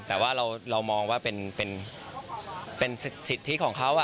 แต่ว่าเรามองว่าเป็นสิทธิของเขา